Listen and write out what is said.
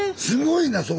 すごいな！